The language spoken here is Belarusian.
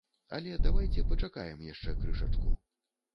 Але давайце пачакаем яшчэ крышачку.